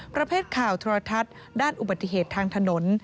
ประเภทข่าวโทรทัศน์ด้านอุบัติเหตุทางถนน